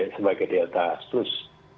sebagai delta plus